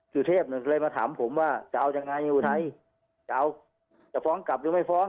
สุเทพเลยมาถามผมว่าจะเอายังไงอุทัยจะเอาจะฟ้องกลับหรือไม่ฟ้อง